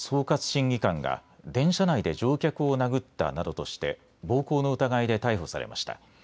審議官が電車内で乗客を殴ったなどとして暴行の疑いで逮捕されました。